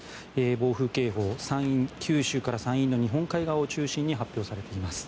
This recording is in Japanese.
暴風警報、九州から山陰の日本海側を中心に発表されています。